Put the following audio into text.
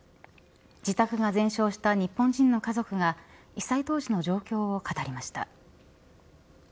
自宅が全焼した日本人の家族が被災当時の状況を語りました。